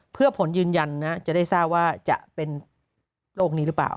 เพื่อผลยืนยันนะจะได้ทราบว่าจะเป็นโรคนี้หรือเปล่า